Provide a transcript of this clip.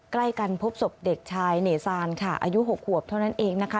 ใกล้กันพบศพเด็กชายเนซานค่ะอายุ๖ขวบเท่านั้นเองนะคะ